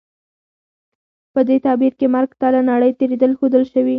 په دې تعبیر کې مرګ ته له نړۍ تېرېدل ښودل شوي.